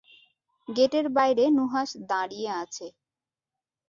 গেটের বাইরে নুহাশ দাঁড়িয়ে আছে।